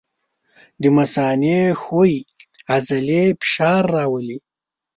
د مثانې ښویې عضلې فشار راولي.